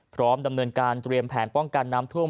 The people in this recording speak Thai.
พร้อมดำเนินการเตรียมแผนป้องกันน้ำท่วม